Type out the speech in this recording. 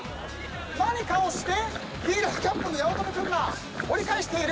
何かをして黄色いキャップの八乙女君が盛り返している。